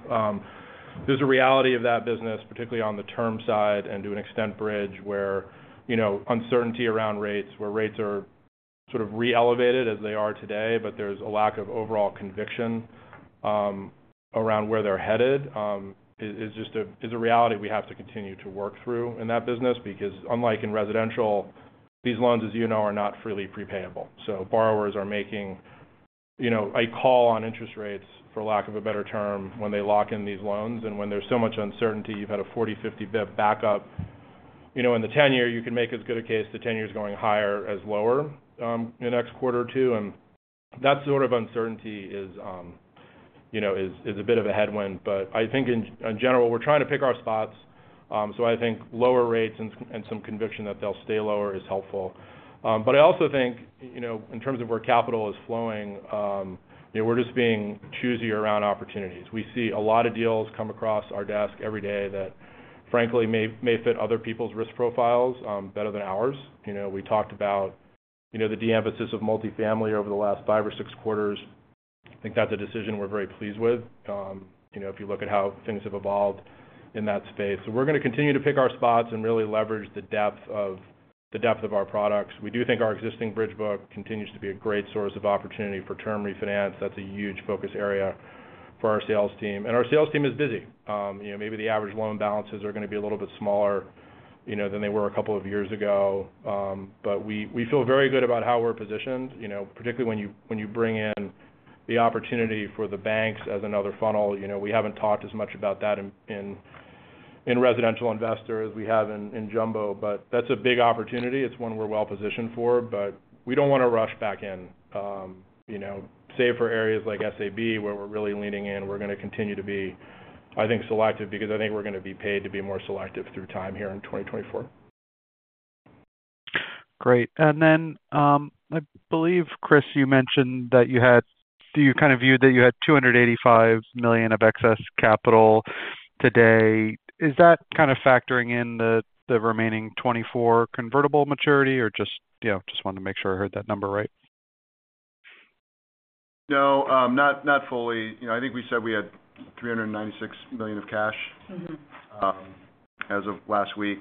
There's a reality of that business, particularly on the term side and to an extent bridge, where uncertainty around rates, where rates are sort of re-elevated as they are today, but there's a lack of overall conviction around where they're headed, is a reality we have to continue to work through in that business because, unlike in residential, these loans, as you know, are not freely prepayable. So borrowers are making a call on interest rates, for lack of a better term, when they lock in these loans. And when there's so much uncertainty, you've had a 40-50 bps backup in the 10-year. You can make as good a case to 10 years going higher as lower in the next quarter or two. And that sort of uncertainty is a bit of a headwind. But I think, in general, we're trying to pick our spots. So I think lower rates and some conviction that they'll stay lower is helpful. But I also think, in terms of where capital is flowing, we're just being choosier around opportunities. We see a lot of deals come across our desk every day that, frankly, may fit other people's risk profiles better than ours. We talked about the de-emphasis of multifamily over the last five or six quarters. I think that's a decision we're very pleased with if you look at how things have evolved in that space. So we're going to continue to pick our spots and really leverage the depth of our products. We do think our existing bridge book continues to be a great source of opportunity for term refinance. That's a huge focus area for our sales team. And our sales team is busy. Maybe the average loan balances are going to be a little bit smaller than they were a couple of years ago. But we feel very good about how we're positioned, particularly when you bring in the opportunity for the banks as another funnel. We haven't talked as much about that in residential investors as we have in jumbo. But that's a big opportunity. It's one we're well positioned for. But we don't want to rush back in, save for areas like SAB where we're really leaning in. We're going to continue to be, I think, selective because I think we're going to be paid to be more selective through time here in 2024. Great. And then I believe, Chris, you mentioned that you kind of viewed that you had $285 million of excess capital today. Is that kind of factoring in the remaining 2024 convertible maturity? Or just wanted to make sure I heard that number right. No, not fully. I think we said we had $396 million of cash as of last week.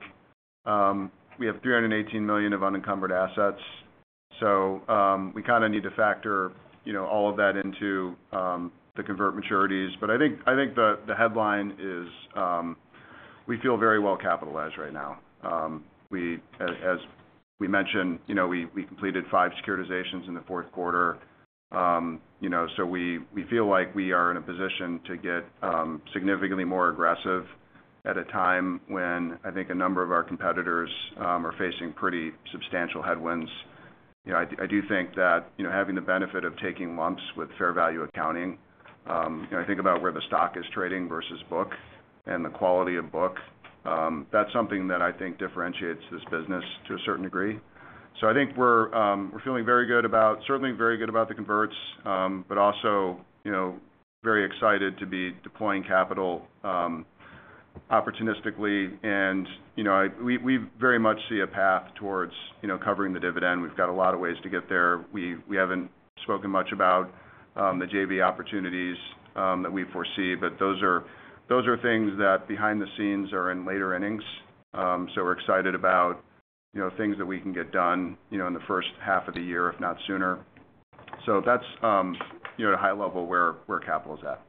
We have $318 million of unencumbered assets. So we kind of need to factor all of that into the convert maturities. But I think the headline is we feel very well capitalized right now. As we mentioned, we completed five securitizations in the fourth quarter. So we feel like we are in a position to get significantly more aggressive at a time when I think a number of our competitors are facing pretty substantial headwinds. I do think that having the benefit of taking lumps with fair value accounting, I think about where the stock is trading versus book and the quality of book, that's something that I think differentiates this business to a certain degree. I think we're feeling very good about certainly very good about the converts, but also very excited to be deploying capital opportunistically. We very much see a path towards covering the dividend. We've got a lot of ways to get there. We haven't spoken much about the JV opportunities that we foresee. But those are things that, behind the scenes, are in later innings. We're excited about things that we can get done in the first half of the year, if not sooner. That's, at a high level, where capital is at.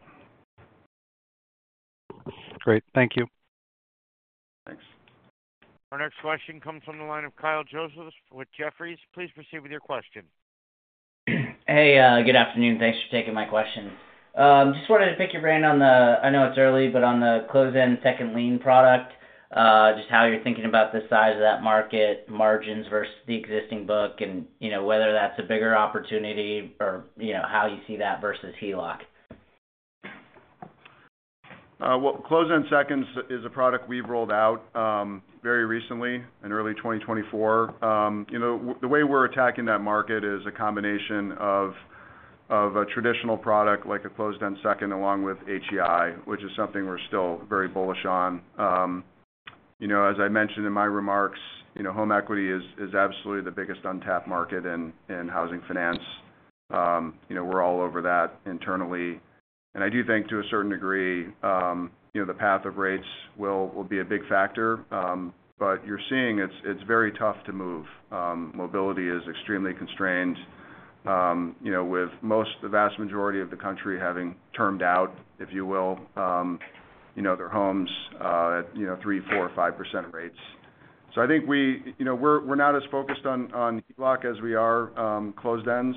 Great. Thank you. Thanks. Our next question comes from the line of Kyle Joseph with Jefferies. Please proceed with your question. Hey. Good afternoon. Thanks for taking my question. Just wanted to pick your brain on the—I know it's early, but on the closed-end second lien product, just how you're thinking about the size of that market, margins versus the existing book, and whether that's a bigger opportunity or how you see that versus HELOC? Well, closed-end seconds is a product we've rolled out very recently in early 2024. The way we're attacking that market is a combination of a traditional product like a closed-end second along with HEI, which is something we're still very bullish on. As I mentioned in my remarks, home equity is absolutely the biggest untapped market in housing finance. We're all over that internally. And I do think, to a certain degree, the path of rates will be a big factor. But you're seeing it's very tough to move. Mobility is extremely constrained, with the vast majority of the country having termed out, if you will, their homes at 3%, 4%, 5% rates. So I think we're not as focused on HELOC as we are closed-ends.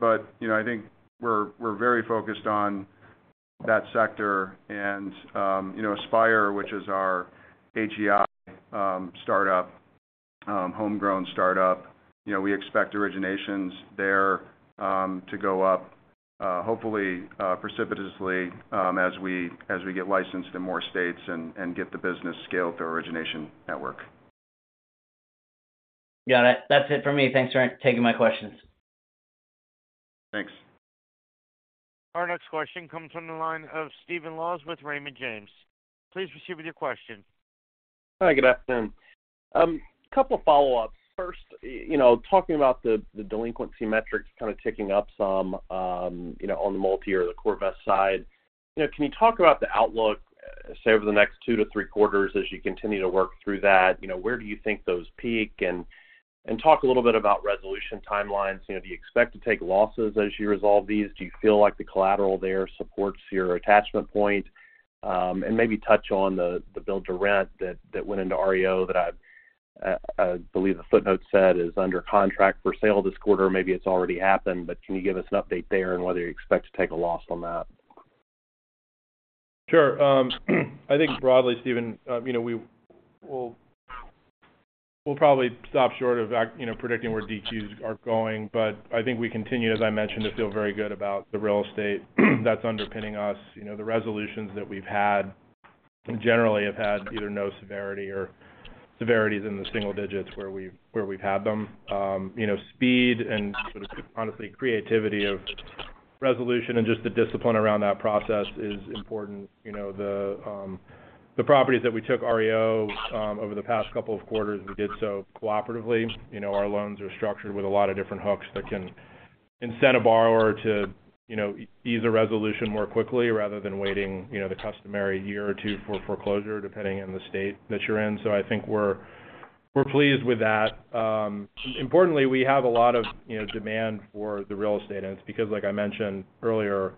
But I think we're very focused on that sector. Aspire, which is our HEI startup, homegrown startup, we expect originations there to go up, hopefully, precipitously as we get licensed in more states and get the business scaled to our origination network. Got it. That's it for me. Thanks for taking my questions. Thanks. Our next question comes from the line of Stephen Laws with Raymond James. Please proceed with your question. Hi. Good afternoon. A couple of follow-ups. First, talking about the delinquency metrics kind of ticking up some on the multi or the CoreVest side, can you talk about the outlook, say, over the next two to three quarters as you continue to work through that? Where do you think those peak? And talk a little bit about resolution timelines. Do you expect to take losses as you resolve these? Do you feel like the collateral there supports your attachment point? And maybe touch on the build-to-rent that went into REO that I believe the footnote said is under contract for sale this quarter. Maybe it's already happened. But can you give us an update there and whether you expect to take a loss on that? Sure. I think, broadly, Stephen, we'll probably stop short of predicting where DQs are going. But I think we continue, as I mentioned, to feel very good about the real estate that's underpinning us. The resolutions that we've had generally have had either no severity or severities in the single digits where we've had them. Speed and sort of, honestly, creativity of resolution and just the discipline around that process is important. The properties that we took REO over the past couple of quarters, we did so cooperatively. Our loans are structured with a lot of different hooks that can incent a borrower to ease a resolution more quickly rather than waiting the customary year or two for foreclosure, depending on the state that you're in. So I think we're pleased with that. Importantly, we have a lot of demand for the real estate. It's because, like I mentioned earlier,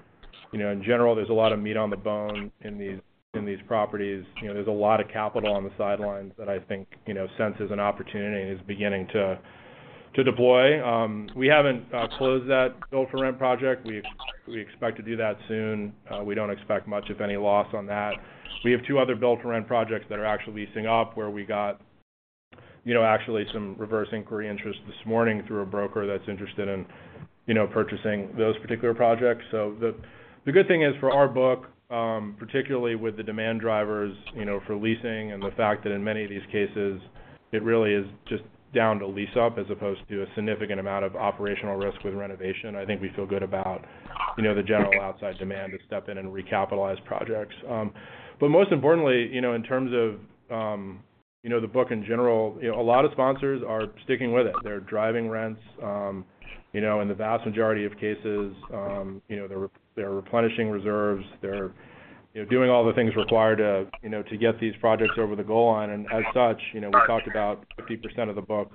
in general, there's a lot of meat on the bone in these properties. There's a lot of capital on the sidelines that I think senses an opportunity and is beginning to deploy. We haven't closed that build-to-rent project. We expect to do that soon. We don't expect much, if any, loss on that. We have two other build-to-rent projects that are actually leasing up where we got actually some reverse inquiry interest this morning through a broker that's interested in purchasing those particular projects. So the good thing is, for our book, particularly with the demand drivers for leasing and the fact that, in many of these cases, it really is just down to lease-up as opposed to a significant amount of operational risk with renovation, I think we feel good about the general outside demand to step in and recapitalize projects. Most importantly, in terms of the book in general, a lot of sponsors are sticking with it. They're driving rents. In the vast majority of cases, they're replenishing reserves. They're doing all the things required to get these projects over the goal line. And as such, we talked about 50% of the book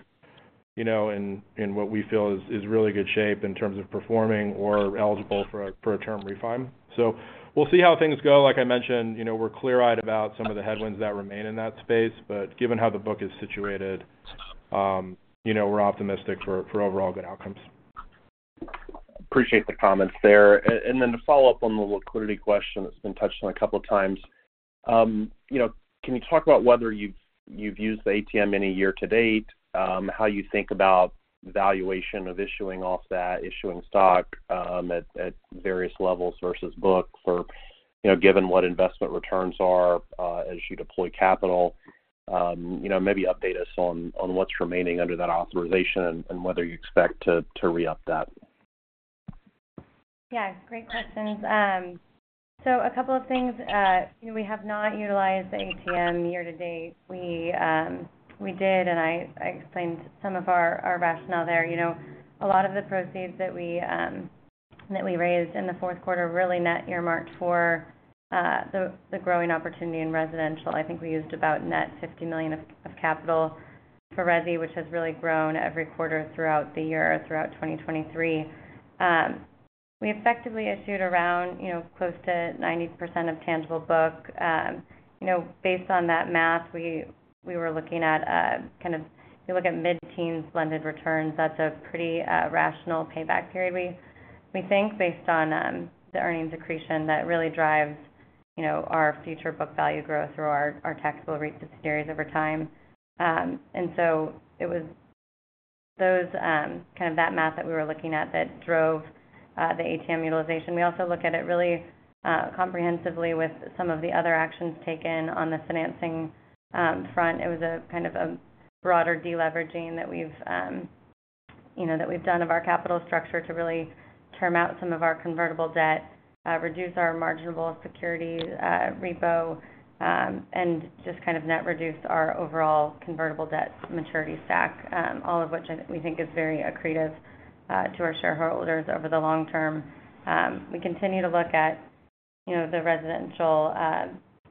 in what we feel is really good shape in terms of performing or eligible for a term refi. We'll see how things go. Like I mentioned, we're clear-eyed about some of the headwinds that remain in that space. Given how the book is situated, we're optimistic for overall good outcomes. Appreciate the comments there. Then to follow up on the liquidity question that's been touched on a couple of times, can you talk about whether you've used the ATM any year to date, how you think about valuation of issuing offset, issuing stock at various levels versus book for given what investment returns are as you deploy capital? Maybe update us on what's remaining under that authorization and whether you expect to re-up that? Yeah. Great questions. So a couple of things. We have not utilized the ATM year to date. We did, and I explained some of our rationale there. A lot of the proceeds that we raised in the fourth quarter really net earmarked for the growing opportunity in residential. I think we used about net $50 million of capital for resi, which has really grown every quarter throughout the year, throughout 2023. We effectively issued around close to 90% of tangible book. Based on that math, we were looking at kind of if you look at mid-teens blended returns, that's a pretty rational payback period, we think, based on the earnings accretion that really drives our future book value growth through our taxable REIT subsidiaries over time. And so it was kind of that math that we were looking at that drove the ATM utilization. We also look at it really comprehensively with some of the other actions taken on the financing front. It was kind of a broader deleveraging that we've done of our capital structure to really term out some of our convertible debt, reduce our margined security repo, and just kind of net reduce our overall convertible debt maturity stack, all of which we think is very accretive to our shareholders over the long term. We continue to look at the residential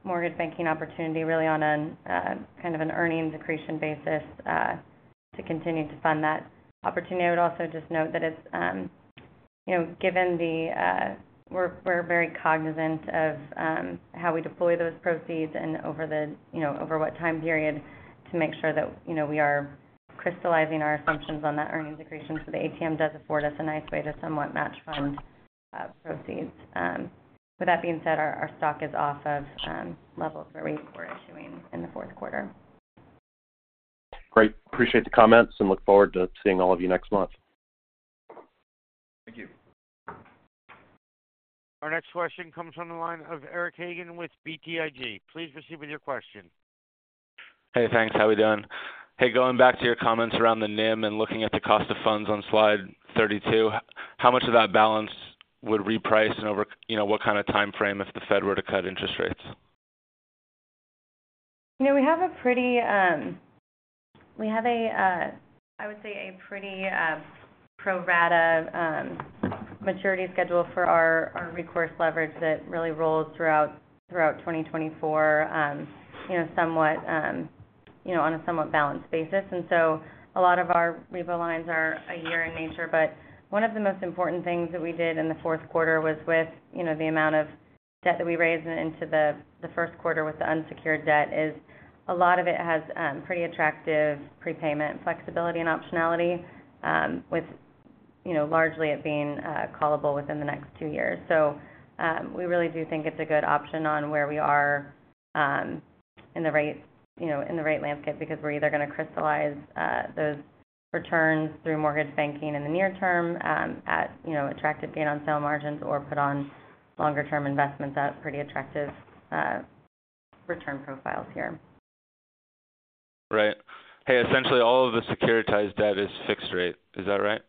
mortgage banking opportunity really on kind of an earnings accretion basis to continue to fund that opportunity. I would also just note that it's given that we're very cognizant of how we deploy those proceeds and over what time period to make sure that we are crystallizing our assumptions on that earnings accretion. So the ATM does afford us a nice way to somewhat match fund proceeds. With that being said, our stock is off of levels where we were issuing in the fourth quarter. Great. Appreciate the comments and look forward to seeing all of you next month. Thank you. Our next question comes from the line of Eric Hagen with BTIG. Please proceed with your question. Hey. Thanks. How are we doing? Hey, going back to your comments around the NIM and looking at the cost of funds on slide 32, how much of that balance would reprice and over what kind of time frame if the Fed were to cut interest rates? We have a pretty, I would say, a pretty pro-rata maturity schedule for our recourse leverage that really rolls throughout 2024 somewhat on a somewhat balanced basis. And so a lot of our repo lines are a year in nature. But one of the most important things that we did in the fourth quarter was with the amount of debt that we raised into the first quarter with the unsecured debt is a lot of it has pretty attractive prepayment flexibility and optionality, with largely it being callable within the next two years. So we really do think it's a good option on where we are in the rate landscape because we're either going to crystallize those returns through mortgage banking in the near term at attractive gain-on-sale margins or put on longer-term investments at pretty attractive return profiles here. Right. Hey, essentially, all of the securitized debt is fixed rate. Is that right?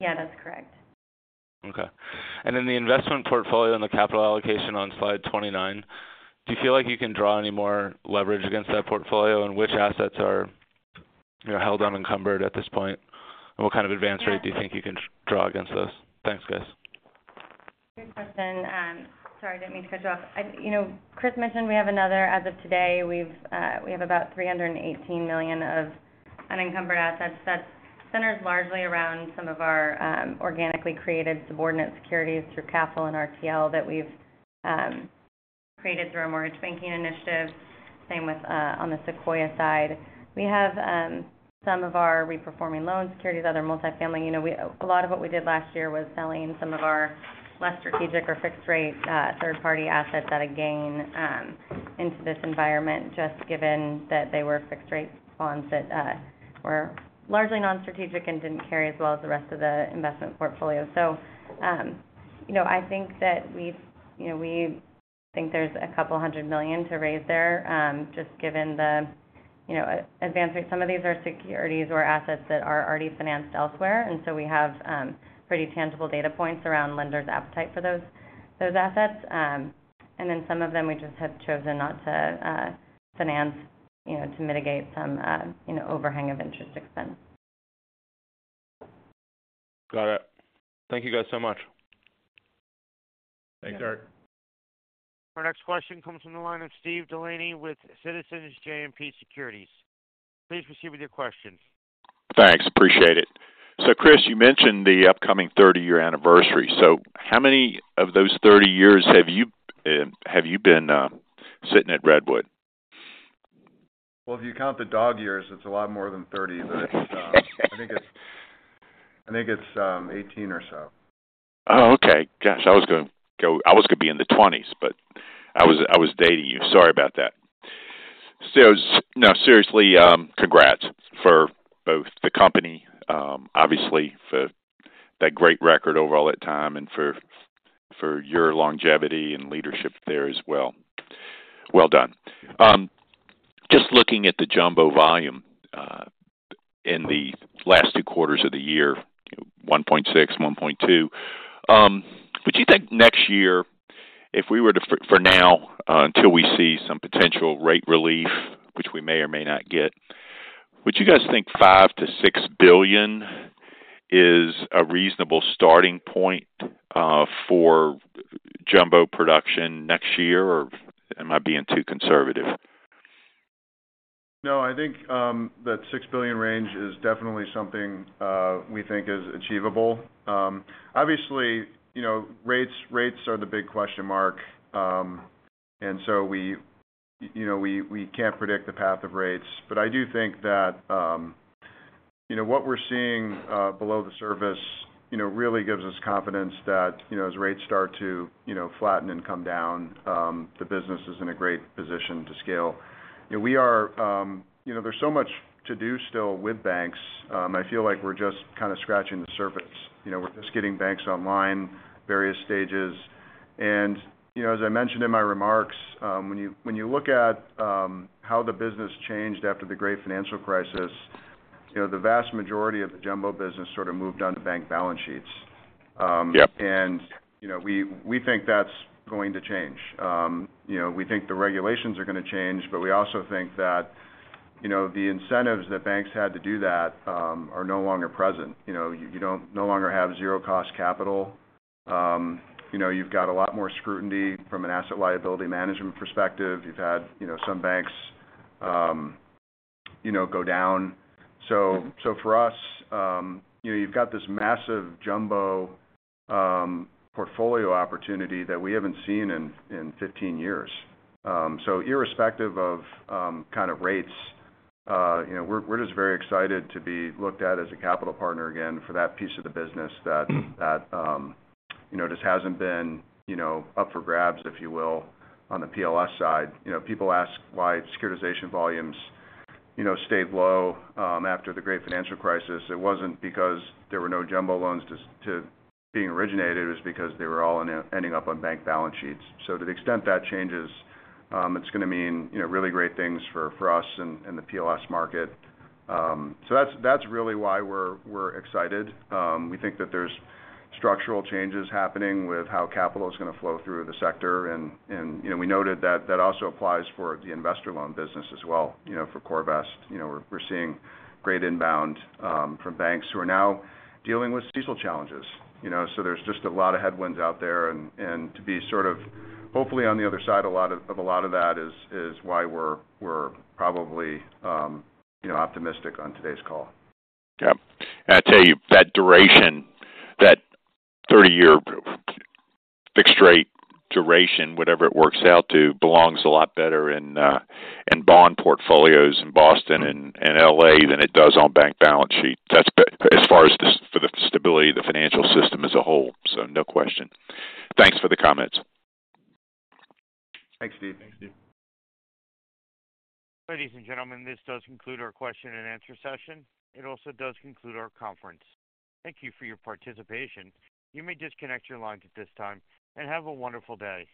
Yeah. That's correct. Okay. The investment portfolio and the capital allocation on slide 29, do you feel like you can draw any more leverage against that portfolio? And which assets are held unencumbered at this point? And what kind of advance rate do you think you can draw against those? Thanks, guys. Good question. Sorry. I didn't mean to cut you off. Chris mentioned we have another as of today. We have about $318 million of unencumbered assets. That centers largely around some of our organically created subordinate securities through CAFL and RTL that we've created through our mortgage banking initiative, same on the Sequoia side. We have some of our reperforming loan securities, other multifamily. A lot of what we did last year was selling some of our less strategic or fixed-rate third-party assets at a gain into this environment just given that they were fixed-rate bonds that were largely non-strategic and didn't carry as well as the rest of the investment portfolio. So I think that we think there's $200 million to raise there just given the advance rate. Some of these are securities or assets that are already financed elsewhere. And so we have pretty tangible data points around lenders' appetite for those assets. And then some of them, we just have chosen not to finance to mitigate some overhang of interest expense. Got it. Thank you guys so much. Thanks, Eric. Our next question comes from the line of Steve DeLaney with Citizens JMP Securities. Please proceed with your questions. Thanks. Appreciate it. So Chris, you mentioned the upcoming 30-year anniversary. So how many of those 30 years have you been sitting at Redwood? Well, if you count the dog years, it's a lot more than 30. But I think it's 18 or so. Oh, okay. Gosh. I was going to go I was going to be in the 20s. But I was dating you. Sorry about that. No, seriously, congrats for both the company, obviously, for that great record overall that time and for your longevity and leadership there as well. Well done. Just looking at the jumbo volume in the last two quarters of the year, $1.6 billion, $1.2 billion, would you think next year, if we were to for now, until we see some potential rate relief, which we may or may not get, would you guys think $5 billion-$6 billion is a reasonable starting point for jumbo production next year? Or am I being too conservative? No. I think that $6 billion range is definitely something we think is achievable. Obviously, rates are the big question mark. And so we can't predict the path of rates. But I do think that what we're seeing below the surface really gives us confidence that as rates start to flatten and come down, the business is in a great position to scale. There's so much to do still with banks. I feel like we're just kind of scratching the surface. We're just getting banks online, various stages. And as I mentioned in my remarks, when you look at how the business changed after the Great Financial Crisis, the vast majority of the jumbo business sort of moved on to bank balance sheets. And we think that's going to change. We think the regulations are going to change. But we also think that the incentives that banks had to do that are no longer present. You no longer have zero-cost capital. You've got a lot more scrutiny from an asset liability management perspective. You've had some banks go down. So for us, you've got this massive jumbo portfolio opportunity that we haven't seen in 15 years. So irrespective of kind of rates, we're just very excited to be looked at as a capital partner again for that piece of the business that just hasn't been up for grabs, if you will, on the PLS side. People ask why securitization volumes stayed low after the Great Financial Crisis. It wasn't because there were no jumbo loans being originated. It was because they were all ending up on bank balance sheets. So to the extent that changes, it's going to mean really great things for us and the PLS market. So that's really why we're excited. We think that there's structural changes happening with how capital is going to flow through the sector. And we noted that that also applies for the investor loan business as well, for CoreVest. We're seeing great inbound from banks who are now dealing with CECL challenges. So there's just a lot of headwinds out there. And to be sort of hopefully on the other side, a lot of that is why we're probably optimistic on today's call. Yeah. And I tell you, that duration, that 30-year fixed-rate duration, whatever it works out to, belongs a lot better in bond portfolios in Boston and L.A. than it does on bank balance sheet as far as for the stability of the financial system as a whole. So no question. Thanks for the comments. Thanks, Steve. Thanks, Steve. Ladies and gentlemen, this does conclude our question-and-answer session. It also does conclude our conference. Thank you for your participation. You may disconnect your lines at this time and have a wonderful day.